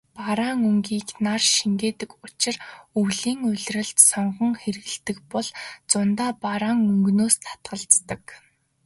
Бараан өнгийг нар шингээдэг учир өвлийн улиралд сонгон хэрэглэдэг бол зундаа бараан өнгөнөөс татгалздаг.